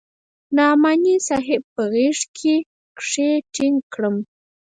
نعماني صاحب په غېږ کښې ټينګ کړم.